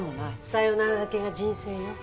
さよならだけが人生よ。